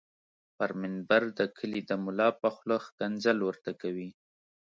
پر منبر د کلي دملا په خوله ښکنځل ورته کوي